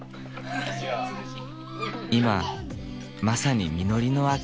今まさに実りの秋。